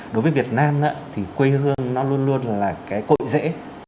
đối với việt nam thì quê hương nó luôn luôn là cái cội dễ